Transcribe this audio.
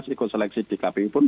ikut seleksi di kpu pun